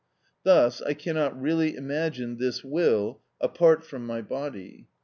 Thus, I cannot really imagine this will apart from my body.